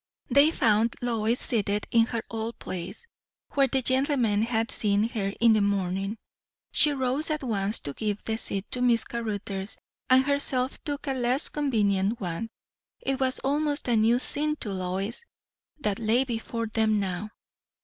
They found Lois seated in her old place, where the gentlemen had seen her in the morning. She rose at once to give the seat to Miss Caruthers, and herself took a less convenient one. It was almost a new scene to Lois, that lay before them now.